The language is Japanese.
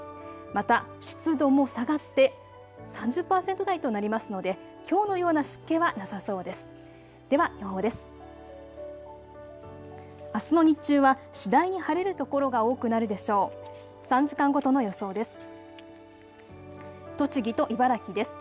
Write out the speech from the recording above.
また湿度も下がって３０％台となりますので、きょうのような湿気はなさそうです。